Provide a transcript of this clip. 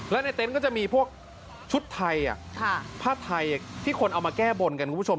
แล้วในเต็นต์ก็จะมีพวกชุดไทยผ้าไทยที่คนเอามาแก้บนกันคุณผู้ชม